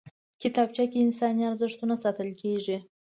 کتابچه کې انساني ارزښتونه ساتل کېږي